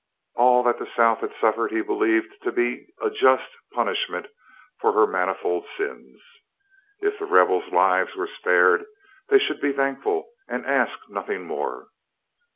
All that the South had suffered he believed to be a just punishment for her manifold sins. If the Rebels' lives were spared, they should be thankful, and ask nothing more.